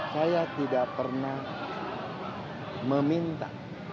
saya tidak pernah meminta